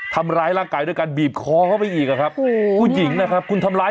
ทำร้ายร่างกายโดยการบีบคอเขาไปอีกครับ